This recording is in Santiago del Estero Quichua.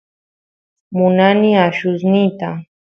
munani allusniyta